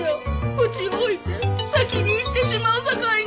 うちを置いて先に逝ってしまうさかいに。